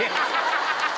ハハハハ！